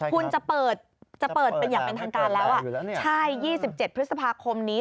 คุณจะเปิดอย่างเป็นทางการแล้วใช่๒๗พฤษภาคมนี้